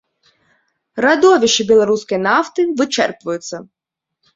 Радовішчы беларускай нафты вычэрпваюцца.